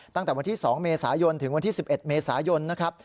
ตั้งแต่วันที่๒เมษายนถึงวันที่๑๑เมษายนนะครับ